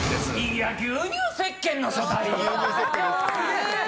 いや、牛乳せっけんの書体！